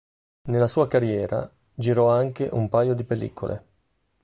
Nella sua carriera, girò anche un paio di pellicole.